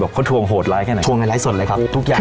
เขาทวงโหดร้ายแค่ไหนทวงในไลฟ์สดเลยครับทุกอย่าง